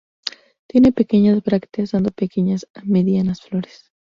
Tiene pequeñas brácteas, dando pequeñas a medianas flores.